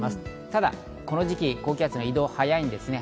ただこの時期、高気圧の移動が早いんですね。